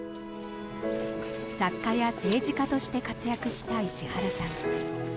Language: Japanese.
作家や政治家として活躍した石原さん。